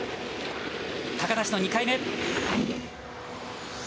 高梨の２回目。